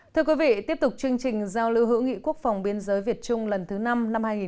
thưa quý vị tiếp tục chương trình giao lưu hữu nghị quốc phòng biên giới việt trung lần thứ năm năm hai nghìn hai mươi